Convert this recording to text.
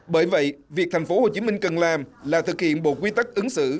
bởi vậy việc thành phố hồ chí minh cần làm là thực hiện bộ quy tắc ứng xử